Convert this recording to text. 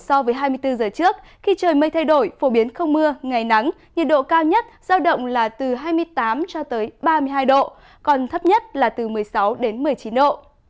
so với hai mươi bốn giờ trước khi trời mây thay đổi phổ biến không mưa ngày nắng nhiệt độ cao nhất giao động là từ hai mươi tám cho tới ba mươi hai độ còn thấp nhất là từ một mươi sáu đến một mươi chín độ